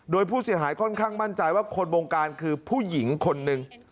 โดยผู้เสียหายค่อนข้างมั่นใจว่าคนบงการคือผู้หญิงคนหนึ่ง